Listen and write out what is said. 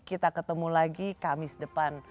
kita ketemu lagi kamis depan